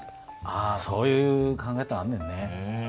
そういう考え方あんねんね。